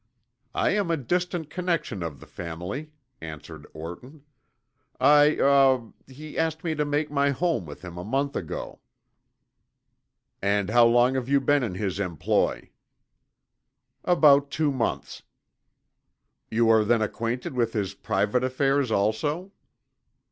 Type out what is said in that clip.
"I am a distant connection of the family," answered Orton. "I er he asked me to make my home with him a month ago." "And how long have you been in his employ?" "About two months." "You are then acquainted with his private affairs also?"